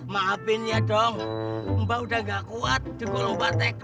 maafin ya dong mbak udah gak kuat di golongan